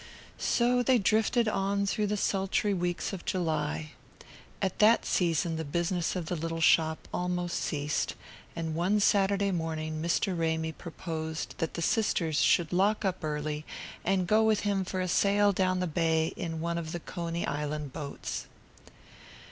So they drifted on through the sultry weeks of July. At that season the business of the little shop almost ceased, and one Saturday morning Mr. Ramy proposed that the sisters should lock up early and go with him for a sail down the bay in one of the Coney Island boats.